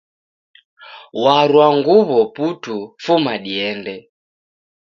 Warwa nguw'o putu fuma diende